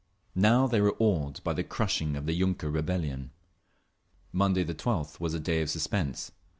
Now they were awed by the crushing of the yunker rebellion… Monday the 12th was a day of suspense.